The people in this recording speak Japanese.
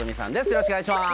よろしくお願いします。